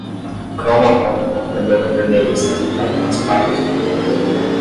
O cão marrom com uma bandana vermelha está sentado com as patas no computador.